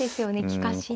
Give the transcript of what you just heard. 利かしに。